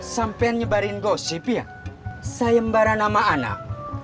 sampai nyebarin gosip ya sayembaran nama anak